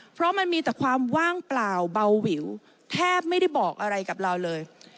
เพราะมันมีแต่ความว่างเปล่าเบาหวิวแทบไม่ได้บอกอะไรกับเราเลย